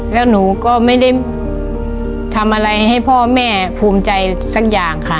แล้วหนูก็ไม่ได้ทำอะไรให้พ่อแม่ภูมิใจสักอย่างค่ะ